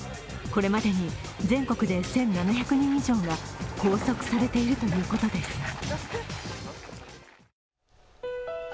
これまでに全国で１７００人以上が拘束されているということです。